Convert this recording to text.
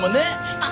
あっ！